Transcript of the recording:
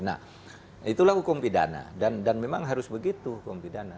nah itulah hukum pidana dan memang harus begitu hukum pidana